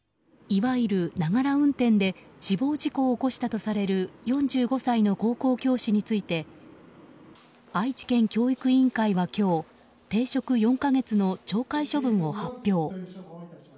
いわゆる、ながら運転で死亡事故を起こしたとされる４５歳の高校教師について愛知県教育委員会は今日停職４か月の懲戒処分を発表。